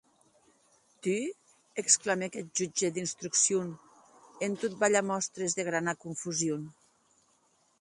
Tu?, exclamèc eth jutge d’instrucción, en tot balhar mòstres de grana confusion.